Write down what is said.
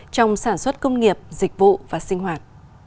trong sản xuất công nghiệp dịch vụ và sinh hoạt